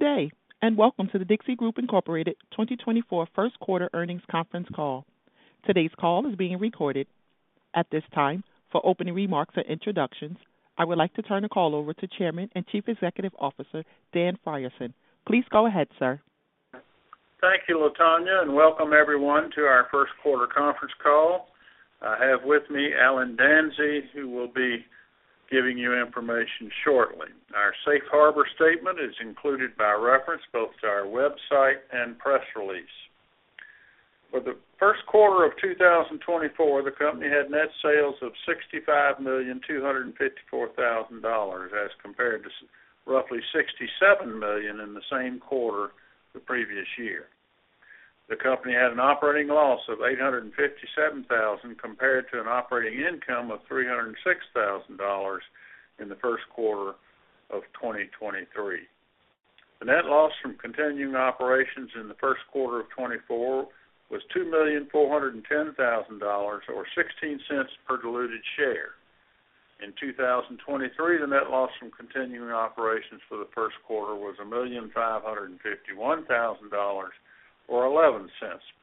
Good day, and welcome to The Dixie Group Incorporated 2024 First Quarter Earnings Conference Call. Today's call is being recorded. At this time, for opening remarks and introductions, I would like to turn the call over to Chairman and Chief Executive Officer Dan Frierson. Please go ahead, sir. Thank you, Latonya, and welcome everyone to our First Quarter Conference Call. I have with me Allen Danzey, who will be giving you information shortly. Our safe harbor statement is included by reference, both to our website and press release. For the first quarter of 2024, the company had net sales of $65,254,000, as compared to roughly $67 million in the same quarter the previous year. The company had an operating loss of $857,000, compared to an operating income of $306,000 in the first quarter of 2023. The net loss from continuing operations in the first quarter of 2024 was $2,410,000, or $0.16 per diluted share. In 2023, the net loss from continuing operations for the first quarter was $1,551,000, or $0.11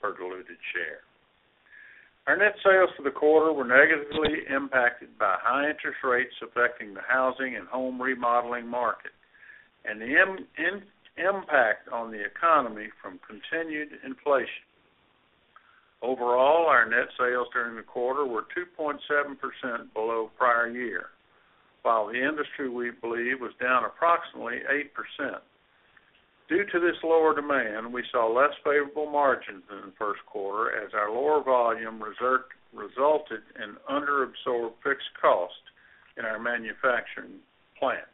per diluted share. Our net sales for the quarter were negatively impacted by high interest rates affecting the housing and home remodeling market, and the impact on the economy from continued inflation. Overall, our net sales during the quarter were 2.7% below prior year, while the industry, we believe, was down approximately 8%. Due to this lower demand, we saw less favorable margins in the first quarter, as our lower volume resulted in underabsorbed fixed cost in our manufacturing plants.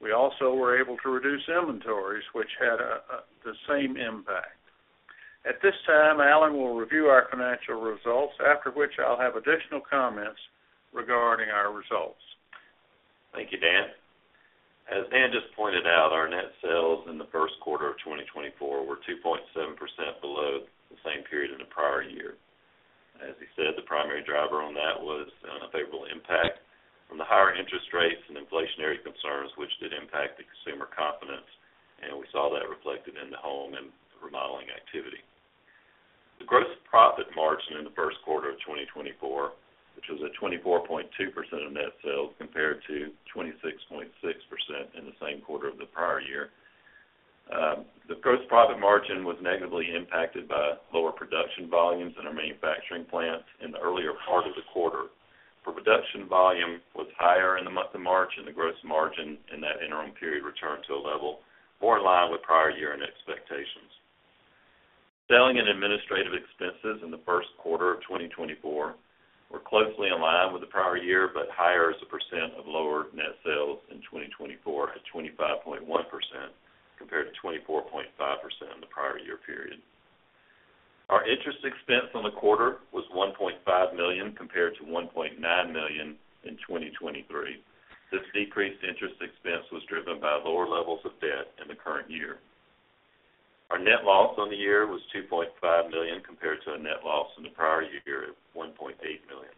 We also were able to reduce inventories, which had the same impact. At this time, Allen will review our financial results, after which I'll have additional comments regarding our results. Thank you, Dan. As Dan just pointed out, our net sales in the first quarter of 2024 were 2.7% below the same period in the prior year. As he said, the primary driver on that was an unfavorable impact from the higher interest rates and inflationary concerns, which did impact the consumer confidence, and we saw that reflected in the home and remodeling activity. The gross profit margin in the first quarter of 2024, which was at 24.2% of net sales, compared to 26.6% in the same quarter of the prior year. The gross profit margin was negatively impacted by lower production volumes in our manufacturing plants in the earlier part of the quarter. For production volume, was higher in the month of March, and the gross margin in that interim period returned to a level more in line with prior year and expectations. Selling and administrative expenses in the first quarter of 2024 were closely aligned with the prior year, but higher as a percent of lower net sales in 2024 at 25.1%, compared to 24.5% in the prior year period. Our interest expense on the quarter was $1.5 million, compared to $1.9 million in 2023. This decreased interest expense was driven by lower levels of debt in the current year. Our net loss on the year was $2.5 million, compared to a net loss in the prior year of $1.8 million.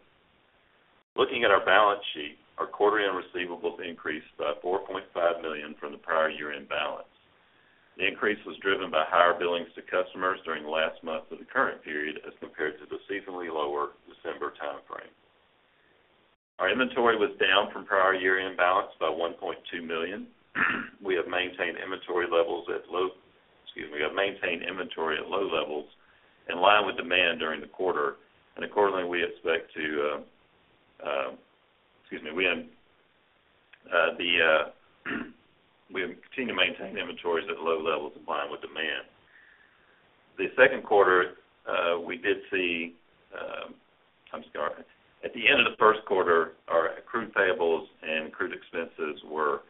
Looking at our balance sheet, our quarterly receivables increased by $4.5 million from the prior year-end balance. The increase was driven by higher billings to customers during the last month of the current period as compared to the seasonally lower December timeframe. Our inventory was down from prior year-end balance by $1.2 million. We have maintained inventory levels at low Excuse me, we have maintained inventory at low levels in line with demand during the quarter, and accordingly, we expect to Excuse me, we have we have continued to maintain inventories at low levels in line with demand. The second quarter we did see, I'm sorry. At the end of the first quarter, our accrued liabilities and accrued expenses were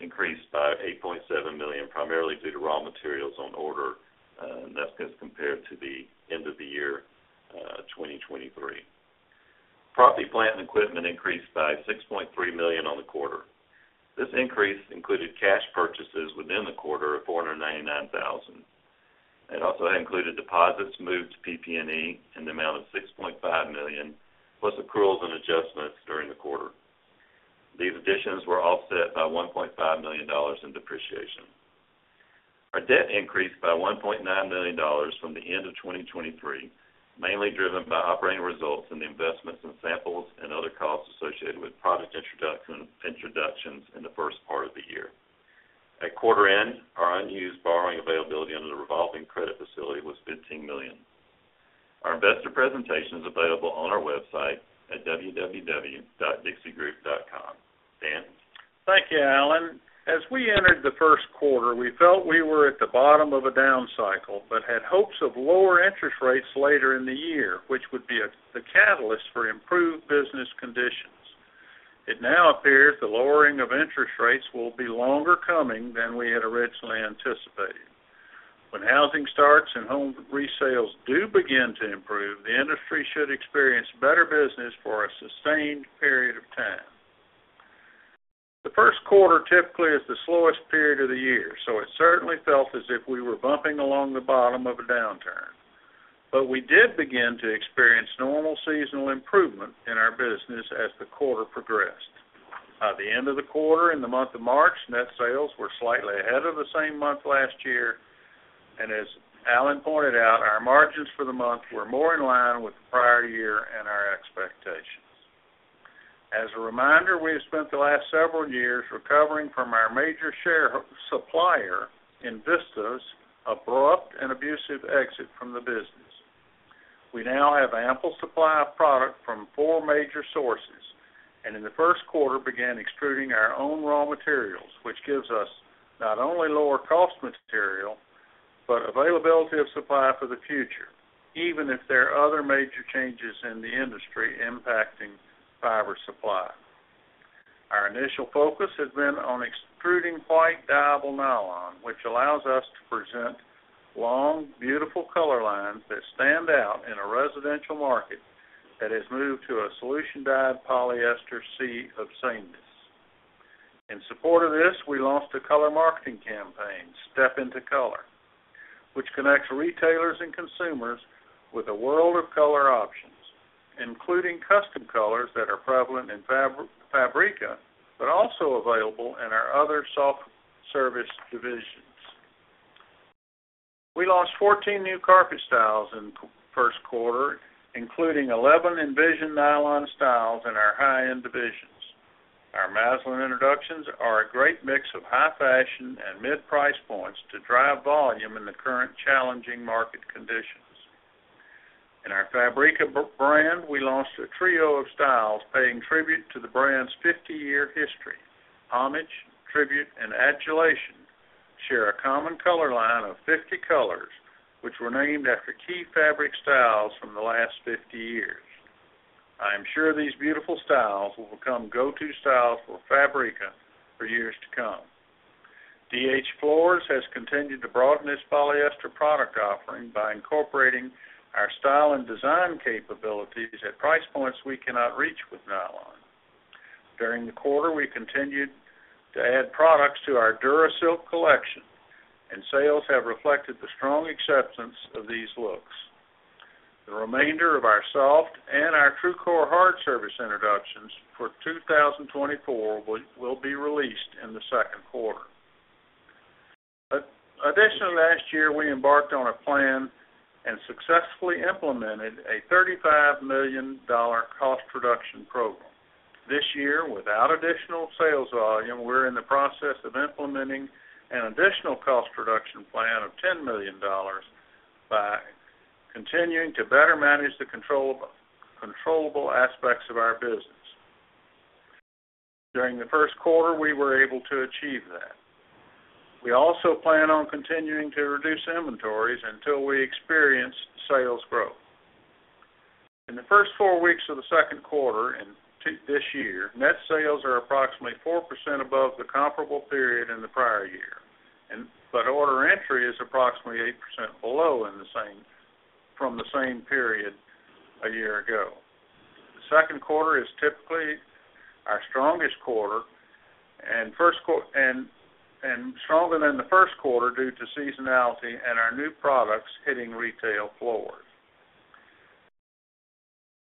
increased by $8.7 million, primarily due to raw materials on order, and that's as compared to the end of the year 2023. Property, plant, and equipment increased by $6.3 million on the quarter. This increase included cash purchases within the quarter of $499,000. It also included deposits moved to PP&E in the amount of $6.5 million, plus accruals and adjustments during the quarter. These additions were offset by $1.5 million in depreciation. Our debt increased by $1.9 million from the end of 2023, mainly driven by operating results in the investments in samples and other costs associated with product introduction, introductions in the first part of the year. At quarter end, our unused borrowing availability under the revolving credit facility was $15 million. Our investor presentation is available on our website at www.dixiegroup.com. Dan? Thank you, Allen. As we entered the first quarter, we felt we were at the bottom of a down cycle, but had hopes of lower interest rates later in the year, which would be a, the catalyst for improved business conditions. It now appears the lowering of interest rates will be longer coming than we had originally anticipated. When housing starts and home resales do begin to improve, the industry should experience better business for a sustained period of time. The first quarter typically is the slowest period of the year, so it certainly felt as if we were bumping along the bottom of a downturn.... But we did begin to experience normal seasonal improvement in our business as the quarter progressed. By the end of the quarter, in the month of March, net sales were slightly ahead of the same month last year, and as Allen pointed out, our margins for the month were more in line with the prior year and our expectations. As a reminder, we have spent the last several years recovering from our major supplier's abrupt and abusive exit from the business. We now have ample supply of product from four major sources, and in the first quarter began extruding our own raw materials, which gives us not only lower cost material, but availability of supply for the future, even if there are other major changes in the industry impacting fiber supply. Our initial focus has been on extruding white dyeable nylon, which allows us to present long, beautiful color lines that stand out in a residential market that has moved to a solution-dyed polyester sea of sameness. In support of this, we launched a color marketing campaign, Step Into Color, which connects retailers and consumers with a world of color options, including custom colors that are prevalent in Fabrica, but also available in our other soft surface divisions. We launched 14 new carpet styles in first quarter, including 11 EnVision nylon styles in our high-end divisions. Our Masland introductions are a great mix of high fashion and mid price points to drive volume in the current challenging market conditions. In our Fabrica brand, we launched a trio of styles paying tribute to the brand's 50-year history. Homage, Tribute, and Adulation share a common color line of 50 colors, which were named after key fabric styles from the last 50 years. I am sure these beautiful styles will become go-to styles for Fabrica for years to come. DH Floors has continued to broaden its polyester product offering by incorporating our style and design capabilities at price points we cannot reach with nylon. During the quarter, we continued to add products to our DuraSilk collection, and sales have reflected the strong acceptance of these looks. The remainder of our soft and our TRUCOR hard surface introductions for 2024 will be released in the second quarter. Additionally, last year, we embarked on a plan and successfully implemented a $35 million cost reduction program. This year, without additional sales volume, we're in the process of implementing an additional cost reduction plan of $10 million by continuing to better manage the controllable aspects of our business. During the first quarter, we were able to achieve that. We also plan on continuing to reduce inventories until we experience sales growth. In the first four weeks of the second quarter this year, net sales are approximately 4% above the comparable period in the prior year, but order entry is approximately 8% below from the same period a year ago. The second quarter is typically our strongest quarter, and stronger than the first quarter due to seasonality and our new products hitting retail floors.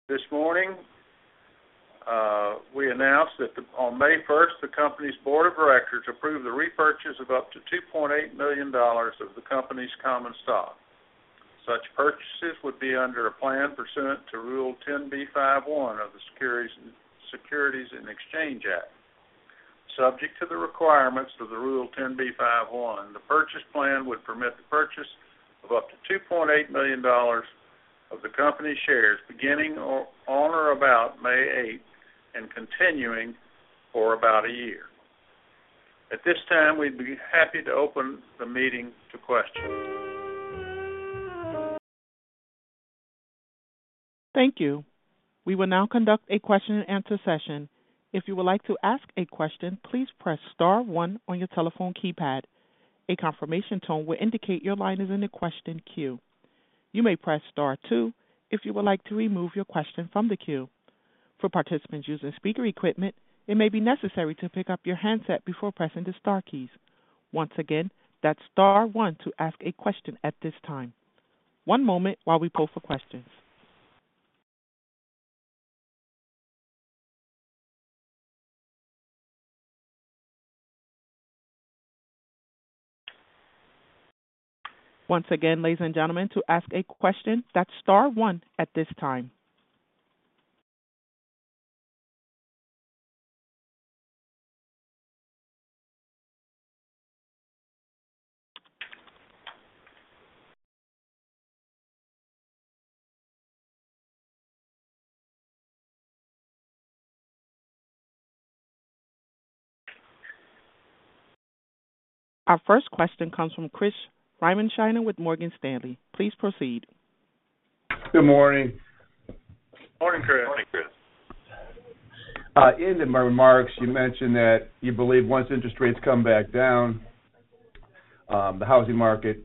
This morning, we announced that on May first, the company's board of directors approved the repurchase of up to $2.8 million of the company's common stock. Such purchases would be under a plan pursuant to Rule 10b5-1 of the Securities and Exchange Act. Subject to the requirements of the Rule 10b5-1, the purchase plan would permit the purchase of up to $2.8 million of the company's shares, beginning on or about May 8th and continuing for about a year. At this time, we'd be happy to open the meeting to questions. Thank you. We will now conduct a question-and-answer session. If you would like to ask a question, please press star one on your telephone keypad. A confirmation tone will indicate your line is in the question queue. You may press star two if you would like to remove your question from the queue. For participants using speaker equipment, it may be necessary to pick up your handset before pressing the star keys. Once again, that's star one to ask a question at this time. One moment while we pull for questions. Once again, ladies and gentlemen, to ask a question, that's star one at this time. Our first question comes from Chris Riemenschneider with Morgan Stanley. Please proceed. Good morning. Morning, Chris. Morning, Chris. In the remarks, you mentioned that you believe once interest rates come back down, the housing market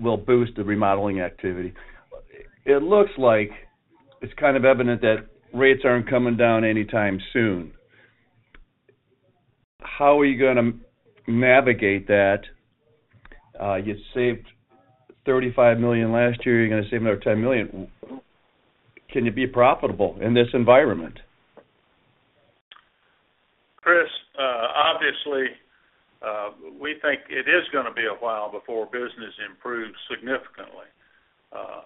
will boost the remodeling activity. It looks like it's kind of evident that rates aren't coming down anytime soon. How are you gonna navigate that? You saved $35 million last year, you're gonna save another $10 million. Can you be profitable in this environment? Chris, obviously, we think it is gonna be a while before business improves significantly.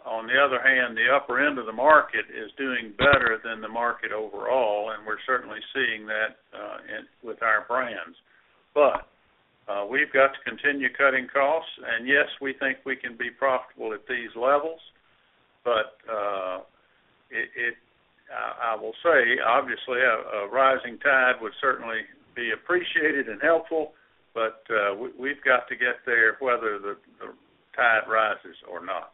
On the other hand, the upper end of the market is doing better than the market overall, and we're certainly seeing that in with our brands. But, we've got to continue cutting costs. And yes, we think we can be profitable at these levels, but, I will say, obviously, a rising tide would certainly be appreciated and helpful, but, we've got to get there whether the tide rises or not.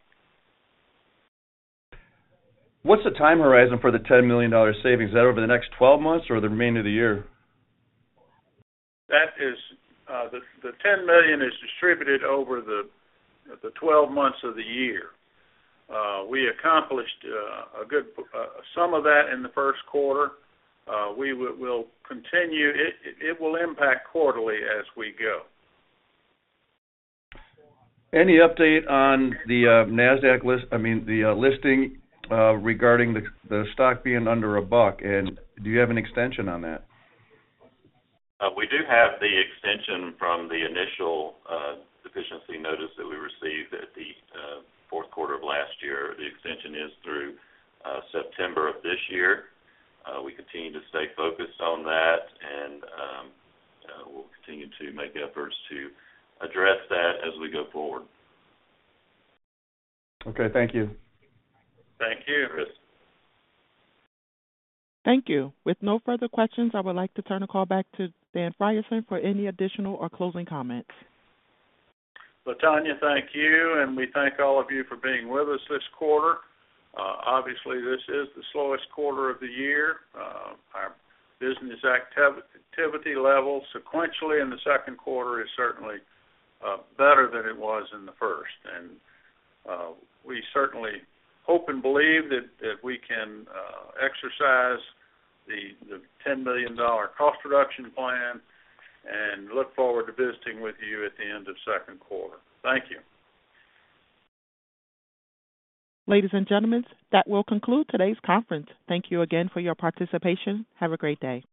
What's the time horizon for the $10 million savings? Is that over the next 12 months or the remainder of the year? That is, the $10 million is distributed over the 12 months of the year. We accomplished a good some of that in the first quarter. We will continue. It will impact quarterly as we go. Any update on the Nasdaq listing regarding the stock being under a buck, and do you have an extension on that? We do have the extension from the initial deficiency notice that we received at the fourth quarter of last year. The extension is through September of this year. We continue to stay focused on that and we'll continue to make efforts to address that as we go forward. Okay, thank you. Thank you, Chris. Thank you. With no further questions, I would like to turn the call back to Dan Frierson for any additional or closing comments. Latonya, thank you, and we thank all of you for being with us this quarter. Obviously, this is the slowest quarter of the year. Our business activity level, sequentially in the second quarter, is certainly better than it was in the first. We certainly hope and believe that we can exercise the $10 million cost reduction plan, and look forward to visiting with you at the end of second quarter. Thank you. Ladies and gentlemen, that will conclude today's conference. Thank you again for your participation. Have a great day.